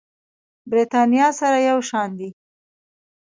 برېتانيا سره یو شان دي.